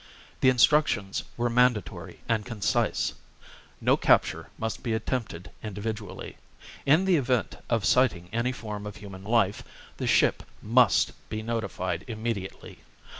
The instructions were mandatory and concise: "No capture must be attempted individually. In the event of sighting any form of human life, the ship MUST be notified immediately.